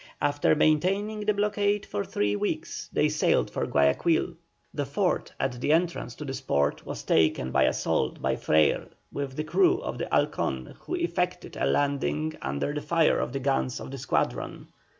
After maintaining the blockade for three weeks, they sailed for Guayaquil. The fort at the entrance to this port was taken by assault by Freyre with the crew of the Halcon, who effected a landing under the fire of the guns of the squadron.